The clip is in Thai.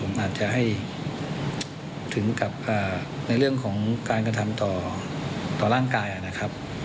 ในเรื่องของการกระทำต่อร่างกายนะครับ